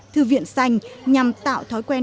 thư viện xanh nhằm tạo thói quen